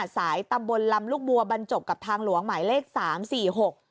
สายตำบลลำลูกบัวบรรจบกับทางหลวงหมายเลขสามสี่หก